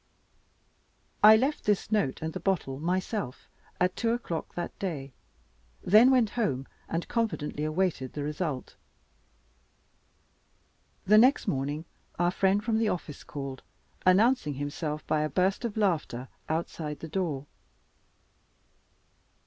I left this note and the bottle myself at two o'clock that day; then went home, and confidently awaited the result. The next morning our friend from the office called, announcing himself by a burst of laughter outside the door.